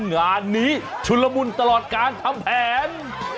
งานนี้ชุนละมุนตลอดการทำแผน